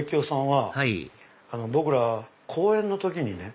はい僕ら公演の時にね。